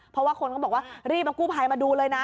เพราะว่าคนก็บอกว่ารีบเอากู้ภัยมาดูเลยนะ